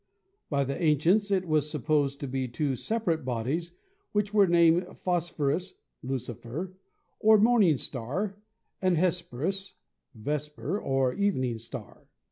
By the ancients it was supposed to be two separate bodies which were named Phosphorus (Lucifer) or Morning Star and Hesperus (Vesper) or Evening Star.